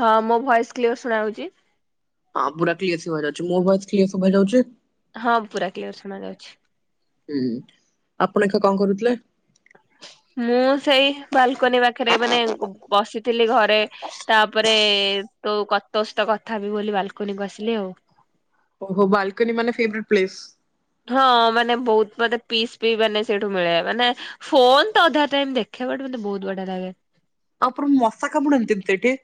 ହଁ ମୋ voice clear ଶୁଣା ହୋଉଚି। ହଁ ପୁରା କ୍ଲିୟର ସୁଭାଯାଉଛି ମୋ ଭଏସ କ୍ଲିୟର ସୁଭାଯାଉଚି। ହଁ ପୁରା କ୍ଲିୟର ଶୁଣାଯାଉଛି । ହୁଁ ଆପଣ ଏକା କଁ କରୁଥିଲେ । ମୁଁ ସେଇ ବାଲ୍କୋନି ପାଖରେ ମାନେ ବସିଥିଲି ଘରେ ତାପରେ ତୋ କ ତୋ ସହିତ କଥା ହେବି ବୋଲି ବାଲ୍କୋନିକୁ ଆସିଲି ଆଉ । [inaudible] ଓହୋ ବାଲ୍କୋନି ମାନେ ଫେବ୍ରେଟ୍ ପ୍ଲେସ। ହଁ ମାନେ ବହୁତ ମତେ ପିସ୍ ବି ମାନେ ସେଇଠୁ ମିଳେ ମାନେ ଫୋନ ତ ଅଧା ଟାଇମ ଦେଖେ । [unintelligible] ମତେ ବୋହୁତ ବଢ଼ିଆ ଲାଗେ। ଆପର ମଶା କାମୁଡନ୍ତିନି ସେଇଠି।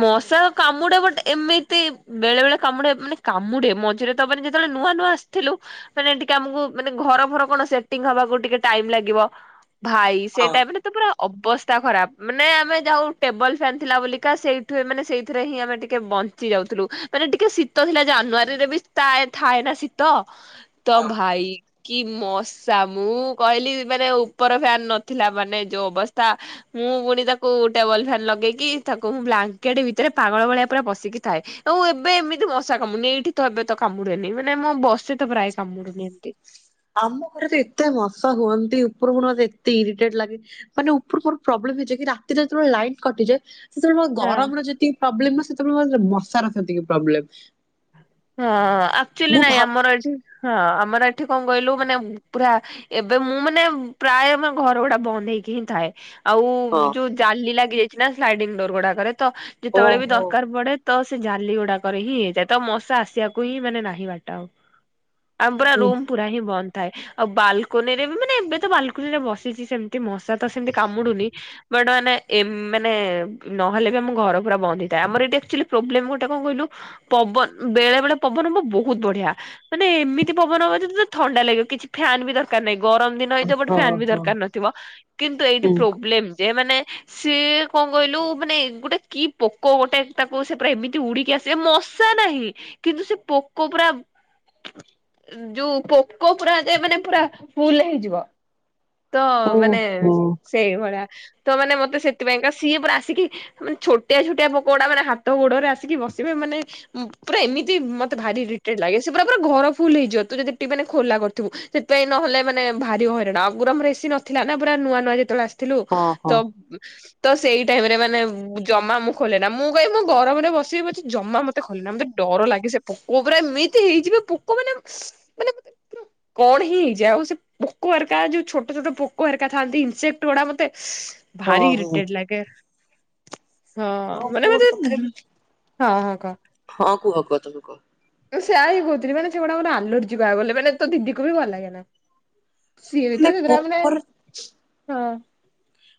ମଶା କାମୁଡେ ବଟ୍ ଏମିତି ବେଳେ ବେଳେ କାମୁଡେ ମାନେ କାମୁଡେ ମଝିରେ ତ ମାନ ଯେତେବେଳେ। ନୂଆ ନୂଆ ଆସିଥିଲୁ ମାନେ ଟିକେ ଆମକୁ ମାନେ ଘର ଫର କଣ ସେଟିଙ୍ଗ ହବାକୁ ଟିକେ ଟାଇମ ଲାଗିବ । ଭାଇ ସେ ହଁ ଟାଇମରେ ତ ପୁରା ଅବସ୍ଥା ଖରାପ ମାନେ ଆମେ ଯାଉ ଟେବଲ ପ୍ୟାନ ଥିଲା ବୋଲି । କା ସେଇଠୁ ଏମାନେ ସେଇଥିରେ ହିଁ ଆମେ ଟିକେ ବଞ୍ଚି ଯାଉଥିଲୁ ମାନେ ଟିକେ ଶୀତ ଥିଲା ଜାନୁଆରୀରେ ବି ଥାଏ ଥାଏ ନା ଶୀତ ତ ହଁ। ଭାଇ । କି ମଶା ମୁଁ କହିଲି ମାନେ ଉପର ଫ୍ୟାନ ନଥିଲା ମାନେ ଯୋଉ ଅବସ୍ଥା । ମୁଁ ପୁଣି ତାକୁ ଟେବଲ ଫ୍ୟାନ୍ ଲଗେଇକି। ତାକୁ ମୁଁ ବ୍ଲାଙ୍କେଟ ଭିତରେ ପାଗଳ ଭଳିଆ ପୁରା ବସିକି ଥାଏ । ଆଉ ଏବେ ଏମିତି ମଶା କାମୁଡୁନି ଏଇଠି ତ ଏବେ ତ କାମୁଡେନି ମାନେ ମୁଁ ବସେ ତ ପ୍ରାଏ କାମୁଡୁନି ଏମିତି । ଆମ ଘରେ ତ ଏତେ ମଶା ହୁଅନ୍ତି ଉପର ମର ମତେ ଏତେ ଇରିଟେଟ୍ ଲାଗେ ମାନେ ଉପର ମୋର ପ୍ରବ୍ଲେ । ଚିକି ରାତିରେ ଯେତୋବେଳେ ଲାଇନ କଟିଯାଏ। ସେତେବେଳେ ମୋ ହଁ ଗରମର ଯେତିକି ପ୍ରବ୍ଲୋମ ନୁହଁ ସେତେବେଳେ ମୋର ବର୍ଷାର ସେତିକି ପ୍ରବ୍ଲେମ୍। ହଁ ଆକ୍ଚ୍ୟାଲି ନାଇଁ ଆମର ଏଠି ହଁ ଆମର ଏ ଏଠି କଁ କହିଲୁ ମାନେ ପୁରା ଏବେ ମୁଁ ମାନେ ପ୍ରାୟ ଆମେ ଘର ଭଡା ବନ୍ଦ ହେଇକି ହିଁ ଥାଏ । ଆଉ ହଁ ଯୋଉ ଜାଲି ଲାଗି ଯାଇଚି। ନା ସ୍ଲାଇଡିଙ୍ଗ ଡୋର ଗୁଡାକରେ ତ ଯେତେବୋଳେ ବି ଓହୋ ଦରକାର ପଡେ । ତ ସେ ଜାଲି ଗୁଡାକରେ ହିଁ ହେଇଯାଏ। ତ ମଶା ଆସିବାକୁ ହିଁ ମାନେ ନାହିଁ ବାଟ ଆଉ। ଆଉ ପୁରା ଓ ରୁମ୍ ପୁରା ହିଁ ବନ୍ଦ। ଥାଏ ଆଉ ବାଲ୍କୋନିରେ ବି ମାନେ ଏବେ ତ ବାଲ୍କୋନିରେ ବସିଚି ସେମିତି ମଶା ତ ସେମିତି କାମୁଡୁନି । ବାଟ ମାନେ ଏମ୍ ମାନେ ନହେଲେ ବି ଆମ ଘର ପୁରା ବନ୍ଦ ହେଇଥାଏ। ଆମର ଏଇଠି ଆକ୍ଚୋଲି ପ୍ରୋବ୍ଲେମ ଗୋଟେ କଁ କହିଲୁ? ପବନ ବେଳେ ବେଳେ ପବନ ହବ ବହୁତ ବଢିଆ ମାନେ ଏମିତି ପବନ ହବ ଯେ ତତେ ଥଣ୍ଡା ଲାଗିବ କିଛି ଫ୍ୟାନ୍ ବି ଦରକାର ନାହିଁ। ଗରମ ଦିନ ହେଇଥିବ ବଟ୍ ହଁ ପ୍ୟାନ୍ ବି ହଁ। ଦରକାର ନଥିବ। କିନ୍ତୁ ଏଇଠି ହୁଁ ପ୍ରୋବ୍ଲେମ ଯେ ମାନେ ସିଏ କଁ କହିଲୁ ମାନେ ଗୋଟେ କି ପୋକୋ ଗୋଟେ ତାକୁ ସେ ପୁରା ଏମିତି ଉଡିକି ଆସେ ମୋ ର୍ଷା ନାହିଁ କିନ୍ତୁ ସେ ପୋକୋ ପୁରା ଯୋଉ ପୋକୋ ପୁରା ଯେ ମାନେ ପୁରା ଫୁଲ୍ ହେଇଯିବ। ତ ଓହୋ ମାନେ ହଁ ସେଇଭଳିଆ ତ ମାନେ ମତେ ସେଥିପାଇଁକା ସିଏ ପୁରା ଆସିକି ମାନେ ଛୋଟିଆ ଛୋଟିଆ ପୋକୋ ଗୁଡା ମାନେ ହାତ ଗୋଡୋରେ ଆସିକି ବ ଵସିବେ ମାନେ ଉଁ ପୁରା ଏମିତି ମତେ ଭାରି ଇରିଟେଟ୍ ଲାଗେ ସେ ପୁରା ପୁରା ଘର ଫୁଲ ହେଇଯିବ। ତୁ ଯଦ ଟେ ମାନେ ଖୋଲା କରିଥିବୁ ସେଥିପାଇଁ ନ ହେଲେ ମାନେ ଭାରି ହଇରାଣ ଆଗୁରୁ ଆମର ଏସିି ନଥିଲା ନା ପୁରା ନୂଆ ନୂଆ ଯେତେବେଳେ ଆସିଥିଲୁ ହଁ ତ ତ ସେଇ ଟାଇମ ରେ ମାନେ ଜମା ମୁଁ ଖୋଲେ ନା ମୁଁ କାଇ ମୁଁ ଗରମରେ ବସିବି ପ ଜମା ମତେ ଖଲେନା ମେ ଡର ଲାଗେ ସେ ପୋକ ପୁରା ଏମିତି ହେଇଯିବ ପୋକ ମାନେ ମାନେ କଣ ହିଁ ହେଇଯା ଆଉ। ଆଉ ସେ ପୋକ ଏରକା ଯୋଉ ଛୋଟ ଛୋଟ ପୋକ ଏର ଥାନ୍ତିଇନେକ୍ଟୁଡା ମତେ। ଭାରି ହଁ ହଁ। ଇରିଟେଡ ଲାଗେ ହଁ ମାନେ ମତେ ଗୋଟେ ହଁ ହଁ କ ହଁ କୁହ କୁହ ତମେ କୁହ। ମୁଁ ସେୟା ହିଁ କହୁଥିଲି ମାନେ ସେଗୁଡା ମୋର ଆଲୋଡିଛି ଗାହା ଗଲେ ମାନେ ତୋ ଦିଦିକୁ ବି ଭଲ ଲାଗେ ନା ସି ବି ହେଲେ ତ ଶଗ୍ରମଣ ପୋକର ହଁ।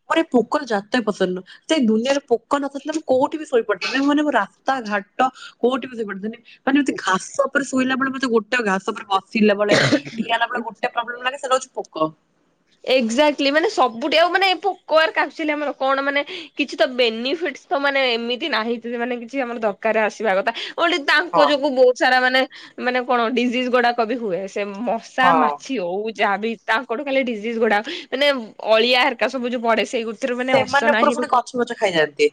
ମୋର ଏ ପୋକଲ ଜାତ ପସନ୍ଦୁ ସେଇ ଦୁନିଆରେ ପୋକ ନଥିଲା ମୁଁ କୋଉଠି ଶୋଇ ପାରୁଥାନ୍ତା ମାନେ ମ ରାସ୍ତା ଘାଟ କୋଉଠି ବିଝ ପି ମାନେିତି ଘାସ ଉପରେ ଶୋଇଲା ବେଳେ ମତେ ଗୋଟେ ଘାସ ଉପରେ ବସ ସିଲା ବଳେ ଠିଆ ହେଲା ବଳେ ଗୋଟେ ପ୍ରୋବ୍ଲେ ଲାଗେ ସେଇଟା ହଉଛି ପୋକ ଏକ୍ଜାକ୍ଟଲି ମାନେ ସବୁଠ ଆଉ ମାନେ ପୋକ କାପୁ ଆମର କଣ ମାନେ କିଛି ତ ବେନିଫିଟ। ମାନେ ଏମିତି ନାହିଁ ମାନେ କିଛି ଆମର ଦରକାରରେ ଆସିବା କଥା। ଓଠ ହଁ ତାଙ୍କ ଯୋଗୁ ବହୁତ ସାରା ମାନେ ମାନେ କଣ ଡିଜିଜ ଗୁଡାକ ବି ହୁଏ ସେ ମଶା ହଁ। ମାଛି ହଉ ଯାହାବି ତାଙ୍କଠୁ ଖାଲିଡି। ଗୁଡା ମାନେ ଅଳିଆ ଏରକା ସବୁ ଯୋଉ ପଡେ ସେଇ ଗୋଟେ ସେମାନେ ଉପରୁ ପୁଣି ଗଛ ପଛ ଖାଇଯାଆନ୍ତି।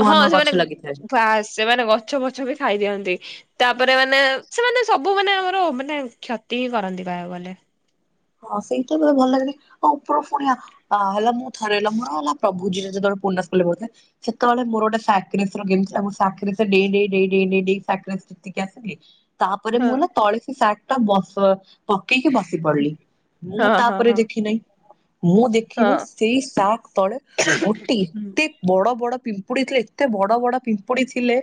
ନୂଆ ହଁ ନୂଆ ଗଛ ସେମାନେ ଲାଗିଥାଏ। ବା ସେମାନେ ଗଛ ଫଛ ବି ଖାଇ ଦିଅନ୍ତି ତାପରେ ମାନେ ସେମାନେ ସବୁ ମାନେ ଆମର ମାନେ କ୍ଷତି ହିଁ କରନ୍ତି ବାହ ଗଲେ ହଁ ସେଇତ ଭଲ ଲାଗନି ଆଉ ଉପର ପୁଣିଆ ହେଲା ମୁଁ ଥରେ ହେଲା ମୋର ହେଲା ପ୍ରଭୁଜ ଯେତବେଳେ ସେତେବେଳେ ମୋର ଗୋଟେ ଥିଲା ଆସିଲି ତାପରେ ହଁ ମୁଁ ହେଲା ତଳସୀ ସଟ ଟା ବସ ପକେଇକି ବସି ପଡିଲି ହଁ ମୁଁ ହଁ ତାପରେ ହଁ ଦେଖିିନହିଁ। ମୁଁ ହଁ ଦେଖିନି ସେଇ ଶକ ତଳେ ଗୋଟେ ଏତେ ବଡ ବଡ ପିମ୍ ପିମ୍ୁଡି ଥିଲେ ଏତେ ବଡ ବଡ ପିମ୍ପୁଡି ଥିଲେ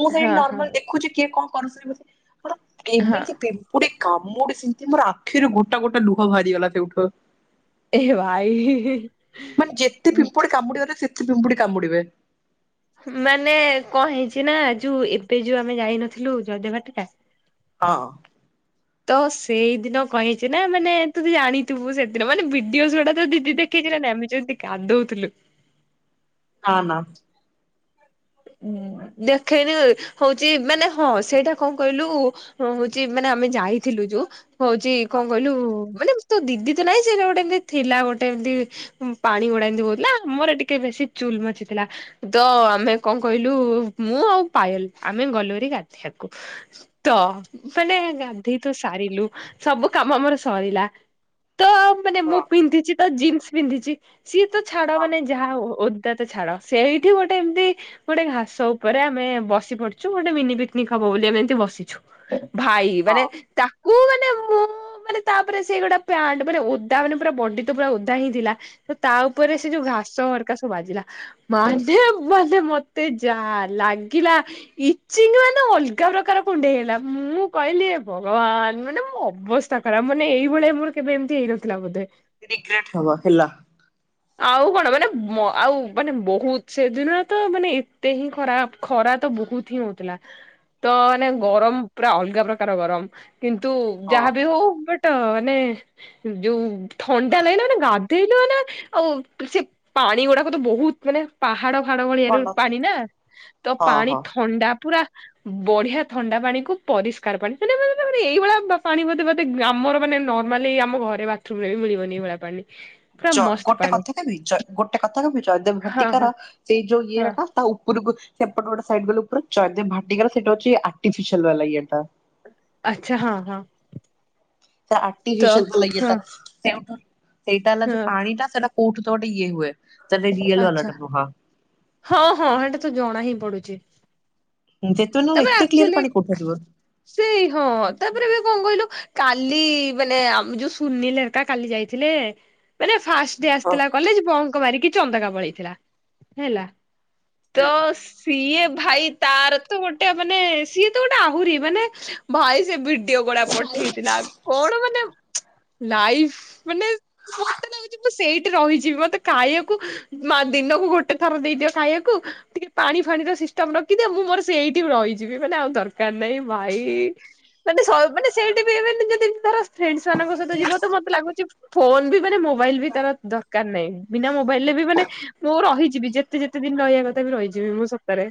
ମୁଁ ସେଇଠି ହଁ ହଁ। ନର୍ମାଲ ଦେଖୁଛି କିଏ କଣ କରୁ? ମଣ କେମିତି ହଁ। ପିମ୍ପୁଡି କାମୁଡି ସେମିତି ମୋର ଆଖିରୁ ଗୋଟା ଗୋଟା ଲୁ ବାହାରିଗଲା ସେଠୁ ଏ ଭାଇ। ମାନେ ଯେତେ ପିମ୍ପୁଡି କାମୁଡିଗଲେ ପିମ୍ପୁଡି କାମପୁଡିବେ। ମାନେ କଣ ହେଇଛି ନା ଯୋଉ ଏବେ ଯୋଉ ଆମେ ଯାଇନଥିଲୁ ଜୟଦେବାଟିକା ହଁ। ତ ସେଇଦିନ କହିଇଛି ନା ମାନେ ତୁ ଜାଣିଥିବୁ ସେଦିନ ମାନେ ଭିଡିଓ ଗୁଡା ତ ଦିଦି ଦେଖେଇ ଆମେ ଯମିତି କାଦଉଥିଲୁ। ନାଁ ନା। ଦେଖେଇନି ହଉଛି ମାନେ ହଁ ସେଇଟା କଣ କହିଲୁ ହଉଛି ମାନେ ଆମେ ଯାଇଥିଲୁ ଯୋଉ ହଉଛି କଣ ହଁ କହିଲୁ? ମାନେ ତୋ ଦିଦି ତ ନାଇଁ ସେଟ ଗୋଟେ ଏମ ଥିଲା ଗୋଟେ ଏମତି ପାଣି ଗୋଟେ ଏମିତି ବହୁଥିଲା ଆମର ଟିକେ ବେଶୀ ଚୁଲ ମଚି ଥିଲା ଦ ଆମେ କଣ କହିଲୁ ମୁଁ ଆଉ ପାଏଲ ଆମେ ଗଲୋରି ଗାଧକୁ ତ ମାନେ ଗାନ୍ଧୋଇ ତୁ ସାରିଲୁ ସବୁ କାମ ଆମର ସରିଲା। ତ ମାନେ ମୁଁ ହଁ ପିନ୍ଧିଛି ତ ଜିନ୍ସ ପିନ୍ଧିଛି ସିଏ ତ ଛାଡ ହଁ ମାନେ ଯାହା ତ ଛାଡ ସେଇଠି ଗୋଟେ ଏମତି ଗୋଟେ ଘାସ ଉପରେ ଆମେ ବସି ପଡିଛୁ ଗୋଟେ ମିନି ପିକନିକ ହବ ବୋଲି ଆମେ ଏମିତି ବସିଛୁ ଭାଇ ମାନେ ତାକୁ ମାନେ ମୁଁ ମାନେ ତାପରେ ସେ ଗୋଟା ପ ଓଦା ମାନେ ପୁରା ବଡି ତ ପୁରା ଓଦା ହେଇଥିଲା ତା ଉପରେ ହଁ ସେ ଯୋଉ ଘାସ ସବ ବାଜିଲା ମେ ମେ ତେ ଯା ଲାଗିଲା ଇଚଙ୍ଗ ମାନେ ଅଲଗା ପ୍ରକାର କୁଣ୍ଡେଇ ହେଇଲା ମୁଁ କହିଲି। ଭଗବାନ ମାନେ ମୁଁ ଅବସ୍ଥା ଖରା ମାନେ ଏଇଭଳିଆ ମୋର କେବେ ଏମିତି ହେଇନଥିଲା ବୋଧେ ରିଗ୍ରେଟ ହବା ହେଲା। ଆଉ କଣ ମାନେ ଆଉ ମାନେ ବହୁତ ସେଦିନ ତ ମାନେ ଏତେ ହିଁ ଖରା ଖରା ତ ବହୁତ ହିଁ ହଉଥିଲା ତ ମାନେ ଗରମ ପୁରା ଅଲଗା ପ୍ରକାର ଗରମ କିନ୍ତୁ ହଁ ଯାହାବି ହଉ ବଟ ତ ମାନେ ଯୋଉ ଥଣ୍ଡା ଲାଗିଲା ମାନେ ଗାଧେଇଲୁ ନା ଆଉ ସେ ପା ପାଣି ଗୁଡାକ ତ ବହୁତ ମାନେ ପାହାଡ ଫାଡ ଭଳିଆ ର ପାଣି ନା ତ ହଁ ପାଣି ହଁ। ଥଣ୍ଡା ପୁରା। ବଢିଆ ଥଣ୍ଡା ପାଣିକୁୁ ପରିଷ୍କାର ପାଣିନେ ଏଇଭଳିଆ ପାଣି ବୋଧେ ବୋଧେ ଆମର ମାନେ ନର୍ମାଲି ଆମ ଘରେ ବାଥରୁମ ରେ ବି ମିଳିବନି ଏଭଳା ପାଣି। ପୁରା ଚ ମସ୍ତ ଗୋଟେ ପାଣି କଥା କିବି ଚ ଗୋଟେ କଥା କହିବି ଜୟଦେବ ହଁ ହଁ ଭଟିକାର ସେଇ ଯୋଉ ଇଏ ହଁ ର ନା ତା ଉପରକୁ ସେପଟ ଗୋଟେ ସାଇଟ ଗଲୁ ପୁରା ଜୟଦେବ ଭାଟିକା ର ସେଇଟା ହଉଛି ଆଟିଫିସିଆଲ୍ ବାଲା ଇଏଟା। ଆଚ୍ଛା ହଁ ହଁ। ସେ ତ ଆର୍ଟିଫିସିଲ ପ ଲ ହଁ ସେଠ ସେଇଟାଲା ଯେଉ ହଁ ପାଣି ଟା ସେଇଟା କଉଠୁ ତ ଗୋଟେ ଇଏ ହୁଏ। ସେଟା ରିଅଲ ଆଛା ବାଲାଟା ନୁହଁ ହଁ ହଁ ସେଟା ତୁ ଜଣା ହିଁ ପଡୁଛି। ଯେତେବେଳେ ନହେଲେ ତାପରେ ଏତେ କ୍ଲିୟର ଆଚୁଲି ପାଣି କୋଉଠୁ ଆସିବ ସେଇ ହଁ ତାପରେ ବି କଣ କହିଲୁ କାଲି ମାନେ ଆମ ଯୋଉ ସୁନୀଲି ରକା କାଲି ଯାଇଥିଲେ ମାନେ ଫାଷ୍ଟ ହଁ ଆସିଥିଲା କଲେଜ ବଙ୍କ ମାରିକି ଚନ୍ଦକା ପଳେଇଥିଲା ହେଲା। ତ ହୁଁ। ସିଏ ଭାଇ ତାର ତ ଗୋଟେ ମାନେ ସିଏ ଗୋଟେ ଆହୁରି ମାନେ ଭାଇ ସେ ଭିଡିଓ ଗୁଡା ପଠେଇଥିଲା କଣ ମାନେ ଚୁ ଲାଇଭ ମାନେ ମତେ ଲାଗୁଛି ମୁଁ ସେଇଠି ରହିଯିବି ମତେ ଖାଇବା ମା ଦିନକୁ ଗୋଟେ ଥର ଦେଇଦିଅ ଖାଇବାକୁ ଟିକେ ପାଣି ଫାଣିର ସିଷ୍ଟମ ରଖିଦିଅ ମୁଁ ମୋର ସେଇ ରହିଯିବି ମାନେ ଆଉ ଦରକାର ନାହିଁ ଭାଇ। ମାନେ ଶାଏ ମାନେ ସେଇଠି ବି ମନେ ଏବେ ଯଦି ଧର ଫ୍ରେଣ୍ଡ ମାନଙ୍କ ସହିତ ଯିବ ତ ମତେ ଲାଗୁଛି ଫୋନ ବି ମାନେ ମୋବାଇଲ ବି ତାର ଦରକାର ନାହିଁ ବିନା ମ ବୋଇଲେ ବି ମାନେ ମୁଁ ରହିଯିବି ଯେତେ ଯେତେ ଦିନ ରହିବା କଥା ବି ରହିଯିବି ମୁଁ ସତରେ।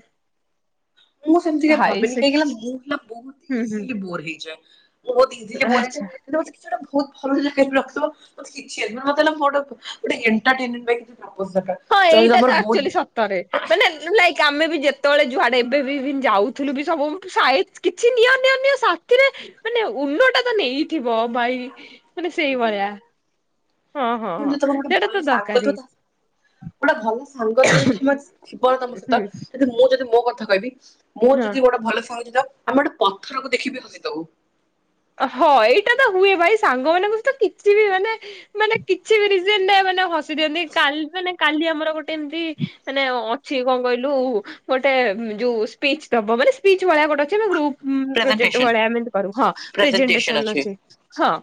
ମୁଁ ସେମିତିକା ଭାଇ ଭାବିନି ସେ କାହିଁକିନା ମୁଁ ହେଲା ବହୁତ ହୁଁ ହୁଁ ଇଜିଲି ବୋର ହେଇଯାଏ। ବହୁତ ଇିଜିଲି ବୋର ଆଚ୍ଛା। ହେଇଯାଏ। [unintelligible] ବହୁତ ଭଲ। [unintelligible] ହଁ ଯଦି ଏଇଟା ତମର ତ ବହୁତ ଆକ୍ଚୁଆଲି ସତରେ ମାନେ ଲ ଆମେ ବି ଯେତେବେଳେ ଯୁଆଡେ ଏବେ ବି ଯାଉଥିଲୁ ବି ସବୁ କିଛି ନିୟ ନିଅ ନି ସାଥିରେ ମାନେ ଉଣ୍ଡଟା ତ ନେଇଥିବ ଭାଇ ମାନେ ସେଇଭଳିଆ ହଁ ହଁ ହଁ ଯ ତମ ଗୋଟେ ସେଇଟା ତ ଭଲ ସାଙ୍ଗ ଦରକାରୀ ତା ଗୋଟେ ଭଲ ସାଙ୍ଗ ଯଦି ତମେ ଥିବନ ତମ ସହିତ ହୁଁ ଯି ମୁଁ ଯଦି ମୋ କଥା କହିବି ମୁଁ ହଁ। ଯଦି ଗୋଟେ ଭଲ ସଙ୍ଗୀତ ଆମେ ଗୋଟେ ପଥରକୁ ଦେଖିବି ହସିଦଉ। ହଁ ଏଇଟା ତ ହୁଏ ଭାଇ ସାଙ୍ଗମାନଙ୍କ ସହିତ କିଛି ବି ମାନେ ମାନେ କିଛି ବି ରଜିନ ନା ମାନେ ହସି ଦିଅନ୍ତି କାଲି ମାନେ କାଲି ଆମର ଗୋଟେ ଏମତି ମାନେ ଅ ଛି କଣ କହିଲୁ ଗୋଟେ ଯୋଉ ସ୍ପିଚ ଦବ ମାନେ ସ୍ପିଚ ଭଳିଆ ଗୋଟେ ଅଛି ଗ୍ରୁପ ପ୍ରୋଜେକ୍ଟ ପ୍ରେଜେଣ୍ଟେସନ ଭଳିଆ ଏମିତି କରୁ ହଁ। ପ୍ରେଜେଣ୍ଟେସନ ଅଛି ହଁ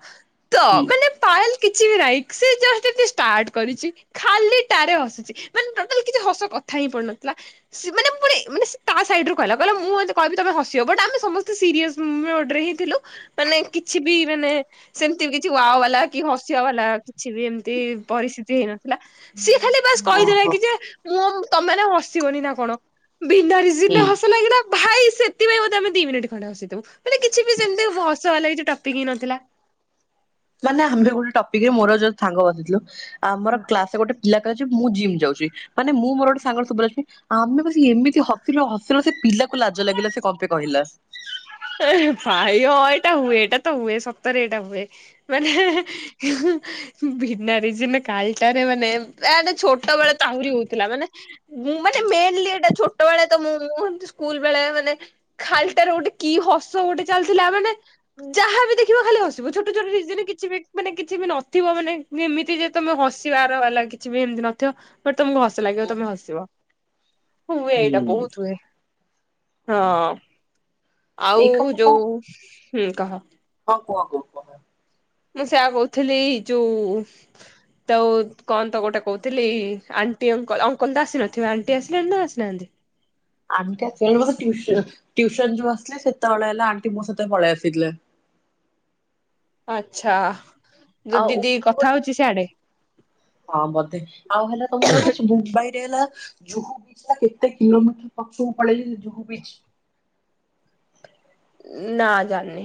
ତ ହୁଁ ମାନେ ପାଏଲ କିଛି ବି ନାଇଁ ସେ ଜଷ୍ଟ ଟିକେ ଷ୍ଟାର୍ଟ କରିଛି ଖାଲିଟା ରେ ହସୁଛି ମାନେ ଟୋଟାଲ କିଛି ହସ କ କଥା ହିଁ ପଡୁନଥିଲା ସେ ମାନେ ପୁଣି ମନେ ତା ସାଇଡ ର କହିଲ କହିଲ ମୁଁ ମ କହିବି ତମେ ହସିବ ବଟ ଆମେ ସମସ୍ତେ ସିରିଅସ୍ ମୋଡ ରେ ହିଁ ଥିଲୁ। ମାନେ କିଛି ବି ମାନେ ସେମତି ବି କିଛି ୱା ବାଲା କି ହସିବା ବାଲା କିଛି ବି ଏମିତି ପରି ସ୍ଥିତି ହେଇନଥିଲା ସିଏ ଖାଲି ବାସ୍ କହିଥିଲା ଓହୋ କି ଯେ ମୁଁ ତମେମାନେ ହସିବନି ନା କଣ? ବିିନ୍ଦାରି ସିନେ ହୁଁ। ହସ ଲାଗିଲା। ଭାଇ ସେଥିପାଇଁ ବୋଧେ ଆମେ ଦି ମିନିଟ୍ ଖଣ୍ଡେ ହସିଲୁ ମାନେ କିଛି ବି ସେମିତି ହ ସ ୱାଲା କିଛି ଟପିକ୍ ହିଁ ନଥିଲା। ମାନେ ଆମେ ଗୋଟେ ଟପିକ ରେ ମୋର ଯୋଉ ସାଙ୍ଗ ବସିଥିଲୁ ଆମର ହଁ। କ୍ଲାସରେ ଗୋଟେ ପିଲା କ ମୁଁ ଜିମ୍ ଯାଉଛି ମାନେ ମୁଁ ମୋର ଗୋଟେ ସାଙ୍ଗ ସବୁ ଅଛି ଆମେ ବ ଏମିତି ହସିଲୁ ହସିଲୁ ସେ ପିଲା କୁ ଲାଜ ଲାଗିଲା ସେ କ ପାଇଁ କହିଲା? ହେ ଏ ଭାଇ ହଁ ଏଇଟା ହୁଏ ଏଇଟା ତ ହୁଏ ସତରେ ଏଇଟା ହୁଏ ମାନେ ହେଁ ହେଁ ବିନା ରିଜନ ରେ କାଲଟାରେ ମାନେ ୟାଡ ଛୋଟ ବେଳେ ତାହୁରି ହଉଥିଲା ମାନେ ମୁଁ ମାନେ ମେନଲି ଏଟା ଛୋଟ ବେଳେ ତ ମୁଁ ସ୍କୁଲ ବେଳେ ମାନେ ଖାଲିଟାରୁ ଗୋଟେ। କି ହସ ଗୋଟେ ଚାଲିଥିଲା ମାନେ ଯାହାବି ଦେଖିବ ଖାଲି ହସିବ ଛୋଟ ଛୋଟ। କିଛି ବି ମାନେ କିଛି ବି ନଥିବ ମାନେ ଏମିତି ଯେ ତମେ ହସିବାର ହେଲା କିଛି ବି ଏମିତି ନଥିବ। ଟ ତମକୁ ହସ ଲାଗିବ ତମେ ହସିବ। ହୁଏ ଏଇଟା ହୁଁ ବହୁତ ହୁଏ ହଁ। ଆଉ ଏଇ କଣ ଯୋଉ ହୁଁ କହ। କ କୁହ କୁ କୁହ। ମୁଁ ସେୟଆ କହୁଥିଲି ଯୋଉ। ତ କଣ ତ ଗୋଟେ କହୁଥିଲି ଆଣ୍ଟି ଅ ଅଙ୍କଲ ତ ଆସିନଥିବ ଆଣ୍ଟି ଆସିଲାଣି ନା ଆସିନାହାନ୍ତି। ଆମ କେ ମ ଟଟିସନ୍। ସ ଯୋଉ ଆସିଲ ସେତେବେଳେ ହେଲା ଆଣ୍ଟି ମୋ ସତ ପଳେଇ ଆସିଥିଲେ। ଆଛା ଆଉ ଦିଦି ଉପରୁ କଥା ଗୋଟେ ହଉଛି ସଆଡେ। ହଁ ବୋଧେ ଆଉ ହେଲା ତମକୁ ଜଣା ଅଛି ମୁମ୍ବାଇ ରେ ହେଲା। ଜୁହୁ ବିଚ କେତେ କିଲୋମିଟର ପଛକୁ ପଳେଇ ଜୁହୁ ବିଚ। ନା ଜାଣିନି।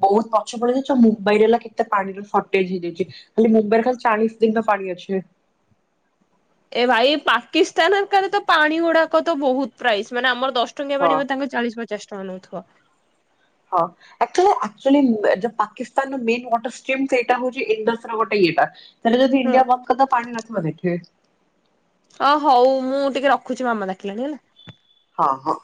ବହୁତ ପଛ ପଡି ଯାଉଉ ମୁମ୍ବାଇରେ ହେଲା କେତେ ପାଣିର ଫର୍ଟେଜ ହେଇଯାଉଛି ଖାଲି ମୁମ୍ବାଇରେ ଖାଲି ଚାଳିଶ ଦିନ। ପାଡିଆଛ। ଏ ଭାଇ ପାକିସ୍ତାନ କ ତ ପାଣି ଗୁଡାକ ତ ବହୁତ ପ୍ରାଇସ୍ ମାନେ ଆମର। ଦଶ ଟଙ୍କିଆ ହଁ ପାଣିବ ତାଙ୍କ ଚାଳିଶ ପଚାଶ ଟଙ୍କା ନେଉଥଥିବା। ହଁ ପାକିସ୍ତାନ ମୱାଟର ସେଇଟା ହଉଛି ଇ ଗୋଟେ। ତା ଯ ହଁ ଣ୍ଡିଆ ବ ତ ପାଣି ନିବ ଦେଖେ। ଅ ହଉ ମୁଁ ଟିକେ ରଖୁଛି ମାମା ଡଖିଲାଣି ହେଲା। ହଁ ହଁ।